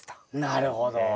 なるほど。